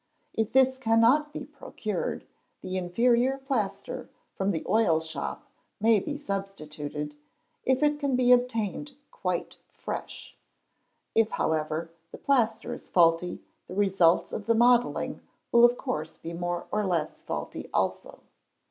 If this cannot be procured, the inferior plaster, from the oil shop, may be substituted, if it can be obtained quite fresh. If, however, the plaster is faulty, the results of the modelling will of course be more or less faulty also.